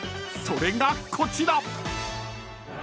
［それがこちら］